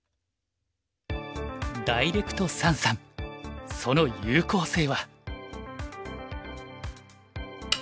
ダイレクト三々その有効性は？